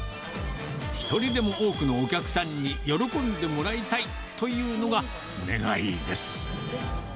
一人でも多くのお客さんに喜んでもらいたいというのが、願いです。